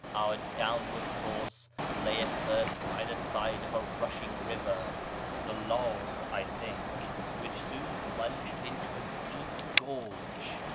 Our downward course lay at first by the side of a rushing river (the Lar, I think), which soon plunged into a deep gorge.